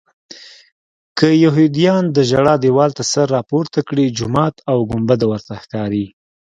که یهودیان د ژړا دیوال نه سر راپورته کړي جومات او ګنبده ورته ښکاري.